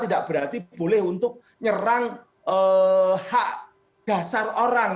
tidak berarti boleh untuk nyerang hak dasar orang